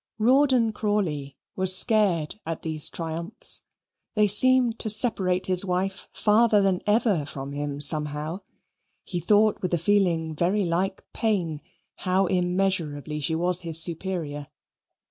Rawdon Crawley was scared at these triumphs. They seemed to separate his wife farther than ever from him somehow. He thought with a feeling very like pain how immeasurably she was his superior.